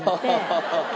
ハハハハ。